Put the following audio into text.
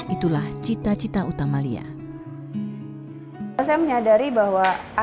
itulah cita cita utamalia